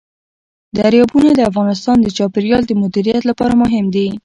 دریابونه د افغانستان د چاپیریال د مدیریت لپاره مهم دي.